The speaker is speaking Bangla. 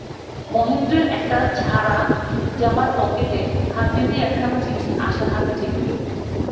মহেন্দ্রের একটা ছাড়া-জামার পকেটে হাত দিতেই একখানা চিঠি আশার হাতে ঠেকিল।